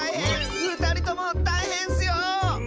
ふたりともたいへんッスよ！